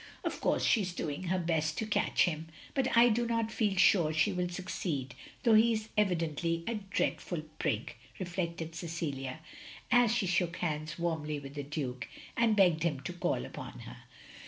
"Of course she is doing her best to catch him; but I do not feel sure she will succeed, though he is evidently a dreadful prig, " reflected Cecilia, as she shook hands warmly with the Duke, and begged him to call upon her.